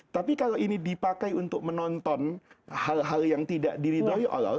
tapi kalau ini dipakai untuk menonton hal hal yang tidak diridhoi allah